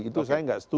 itu saya enggak setuju